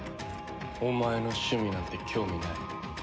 お前の趣味なんて興味ない。